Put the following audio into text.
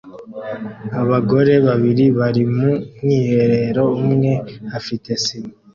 Abagore babiri bari mu bwiherero umwe afite sima